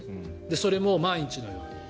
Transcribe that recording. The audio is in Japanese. それも毎日のように。